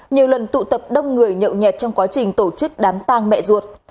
nhiều lần tụ tập đông người nhậu nhẹt trong quá trình tổ chức đám tàng mẹ ruột